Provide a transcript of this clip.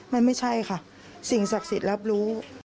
มันไม่ใช่ค่ะสิ่งศักดิ์สิทธิ์รับรู้